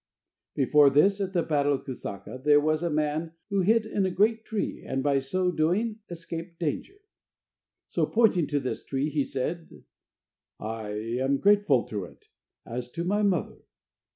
Before this, at the battle of Kusaka, there was a man who hid in a great tree, and by so doing escaped danger. So pointing to this tree, he said: "I am grateful to it, as to my mother."